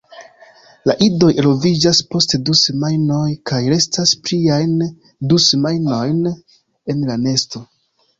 La idoj eloviĝas post du semajnoj kaj restas pliajn du semajnojn en la nesto.